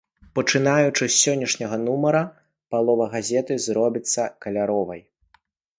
Пачынаючы з сённяшняга нумара палова газеты зробіцца каляровай.